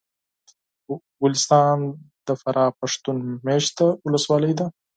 ګلستان د فراه پښتون مېشته ولسوالي ده